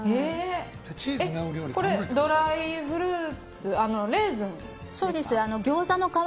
これ、ドライフルーツレーズンですか。